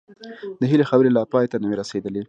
د هيلې خبرې لا پای ته نه وې رسېدلې